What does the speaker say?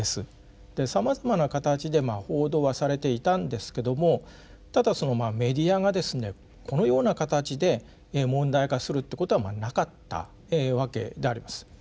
でさまざまな形で報道はされていたんですけどもただそのメディアがですねこのような形で問題化するってことはまあなかったわけであります。